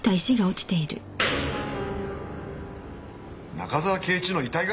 中沢啓一の遺体が？